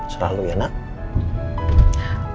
selalu ya nak